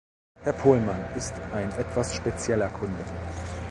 Herr Pohlmann ist ein etwas spezieller Kunde.